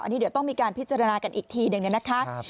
อันนี้เดี๋ยวต้องมีการพิจารณากันอีกทีหนึ่งนะคะ